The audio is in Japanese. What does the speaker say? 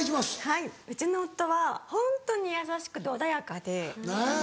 はいうちの夫はホントに優しくて穏やかで。ねぇ。